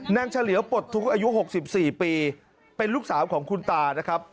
เฉลียวปลดทุกข์อายุ๖๔ปีเป็นลูกสาวของคุณตานะครับ